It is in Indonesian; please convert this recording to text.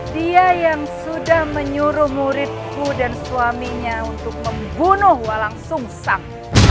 dia yang sudah menyuruh muridku dan suaminya untuk membunuh walangsung sang